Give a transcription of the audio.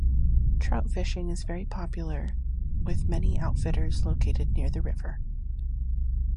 Trout fishing is very popular with many outfitters located near the river.